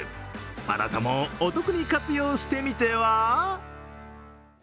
あなたもお得に活用してみては？